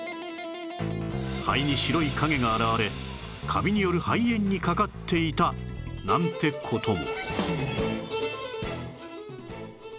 肺に白い影が現れカビによる肺炎にかかっていたなんて事も